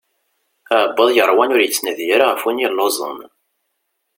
Aɛebbuḍ yeṛwan ur yettnadi ara ɣef win yelluẓen.